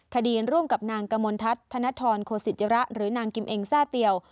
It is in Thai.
คดีร่วมกับนางกมลทัศน์ธนทรโคสิจิระหรือนางกิมเองแซ่เตียว